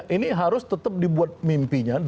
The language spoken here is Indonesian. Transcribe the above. ini harus tetap dibuat mimpi mimpi